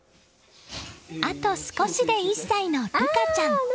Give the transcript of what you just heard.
あと少しで１歳のルカちゃん。